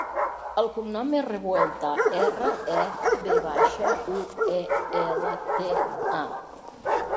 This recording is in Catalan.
El cognom és Revuelta: erra, e, ve baixa, u, e, ela, te, a.